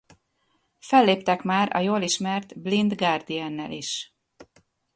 Felléptek már a jól ismert Blind Guardiannel is.